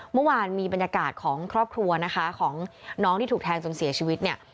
เมื่อวานมีบรรยากาศของครอบครัวนะคะของน้องที่ถูกแทงจนเสียชีวิตเนี่ย